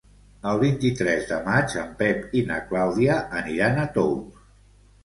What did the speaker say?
El vint-i-tres de maig en Pep i na Clàudia aniran a Tous.